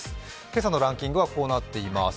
今朝のランキングはこうなっています。